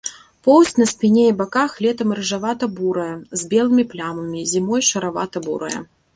Поўсць на спіне і баках летам рыжавата-бурая з белымі плямамі, зімой шаравата-бурая.